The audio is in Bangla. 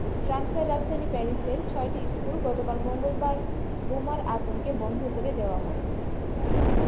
ফ্রান্সের রাজধানী প্যারিসের ছয়টি স্কুল গতকাল মঙ্গলবার বোমার আতঙ্কে বন্ধ করে দেওয়া হয়।